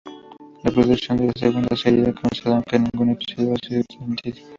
La producción de la segunda serie ha comenzado aunque ningún episodio ha sido transmitido.